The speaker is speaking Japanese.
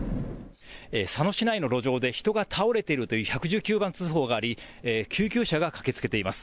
佐野市内の路上で人が倒れているという１１９番通報があり救急車が駆けつけています。